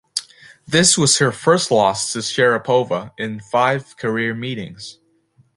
This was her first loss to Sharapova in five career meetings.